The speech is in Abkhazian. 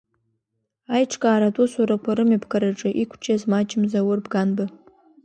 Аиҿкааратә усурақәа рымҩаԥгараҿы иқәҿиаз маҷым Заур Бганба.